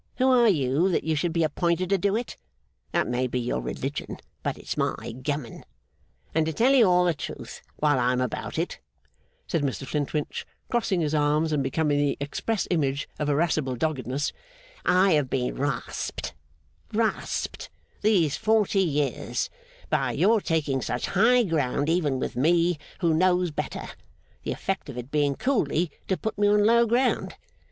Who are you, that you should be appointed to do it? That may be your religion, but it's my gammon. And to tell you all the truth while I am about it,' said Mr Flintwinch, crossing his arms, and becoming the express image of irascible doggedness, 'I have been rasped rasped these forty years by your taking such high ground even with me, who knows better; the effect of it being coolly to put me on low ground.